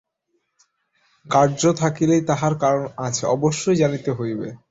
কার্য থাকিলেই তাহার কারণ আছে, অবশ্য জানিতে হইবে।